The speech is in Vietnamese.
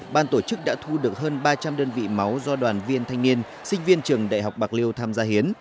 ban tổ chức đã thu được hơn ba trăm linh đơn vị máu do đoàn viên thanh niên sinh viên trường đại học bạc liêu tham gia hiến